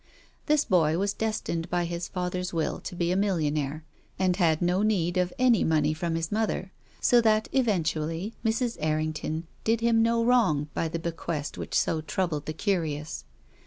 This boy was do stined by his father's will to be a millionaire, and had no need of any money from his mother, so that, eventually, Mrs. Errington did him no wrong by the bequest which so troubled the curious.